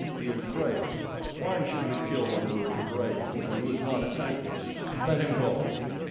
He is brave. Why should we kill one who is brave and who has not attacked us? Let him go."